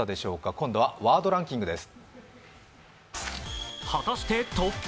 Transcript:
今度はワードランキングです。